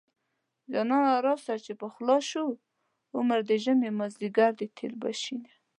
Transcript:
جانانه راشه چې پخلا شو عمر د ژمې مازديګر دی تېر به شينه